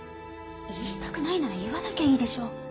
言いたくないなら言わなきゃいいでしょ。